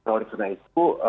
oleh karena itu